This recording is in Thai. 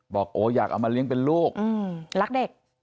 บอกโอ้อยากเอามาเลี้ยงเป็นลูกรักเด็ก